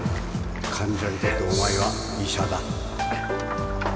患者にとってお前は医者だ